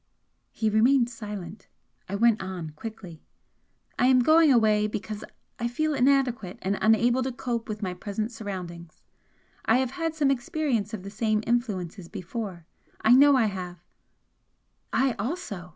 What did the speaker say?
He remained silent. I went on, quickly. "I am going away because I feel inadequate and unable to cope with my present surroundings. I have had some experience of the same influences before I know I have " "I also!"